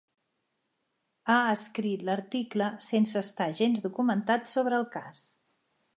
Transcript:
Ha escrit l'article sense estar gens documentat sobre el cas.